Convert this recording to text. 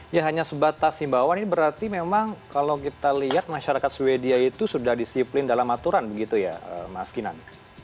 ya hanya sebatas himbawan ini berarti memang kalau kita lihat masyarakat sweden itu sudah disiplin dalam aturan begitu ya mas kinan